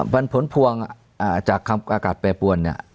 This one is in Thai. วันผลพวงจากอากาศแปรปวลเนี่ย